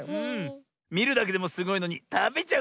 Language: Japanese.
みるだけでもすごいのにたべちゃうなんてね！